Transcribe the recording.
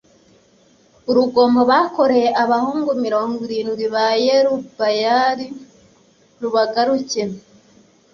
urugomo bakoreye abahungu mirongo irindwi ba yerubayali rubagaruke